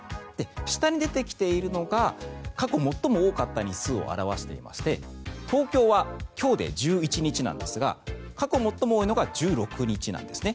下に出てきているのが過去最も多かった日数を表していまして東京は今日で１１日なんですが過去最も多いのが１６日なんですね。